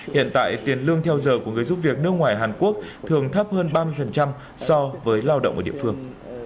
hiện tại tiền lương theo giờ của người giúp việc nước ngoài hàn quốc thường thấp hơn ba mươi so với lao động ở địa phương